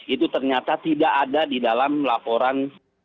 itu ternyata tidak ada di dalam laporan